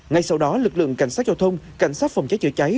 ngay sau đó lực lượng cảnh sát giao thông cảnh sát phòng cháy chữa cháy